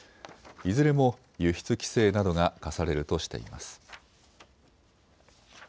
いずれも輸出規制などが科されるとしています。